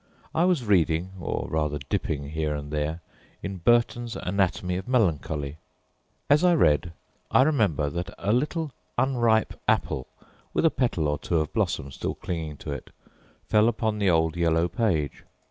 I was reading, or rather dipping here and there, in Burton's Anatomy of Melancholy. As I read, I remember that a little unripe apple, with a petal or two of blossom still clinging to it, fell upon the old yellow page.